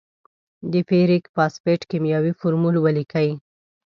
د فیریک فاسفیټ کیمیاوي فورمول ولیکئ.